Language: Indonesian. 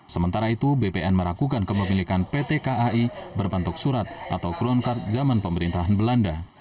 sementara itu bpn meragukan kepemilikan pt kai berbentuk surat atau crowncard zaman pemerintahan belanda